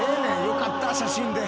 よかった写真で。